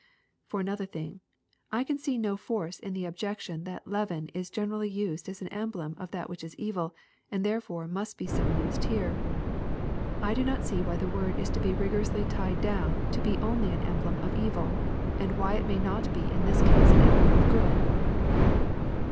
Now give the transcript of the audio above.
For another thing, I can see no force in the objection that " leaven" is generally used as an emblem of that which is evil, and therefore must be so used here. I do not see why the word is t<i be rigorously tied down to be only an emblem of evil ; and whj it may not be in this case an emblem of good.